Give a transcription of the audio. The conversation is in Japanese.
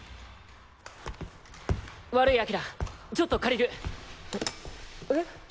悪い輝ちょっと借りる。え？